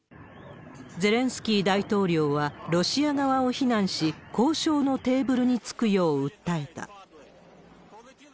ゼレンスキー大統領はロシア側を非難し、交渉のテーブルにつくよう訴えた。